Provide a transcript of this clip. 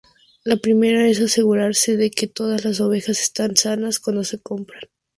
La primera es asegurarse de que todas las ovejas están sanas cuando se compran.